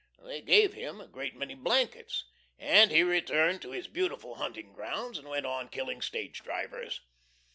They gave him a great many blankets, and he returned to his beautiful hunting grounds and went to killing stage drivers.